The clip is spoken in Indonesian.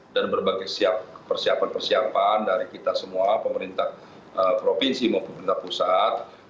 dan berbagai persiapan persiapan dari kita semua pemerintah provinsi maupun pemerintah pusat